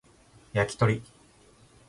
焼き鳥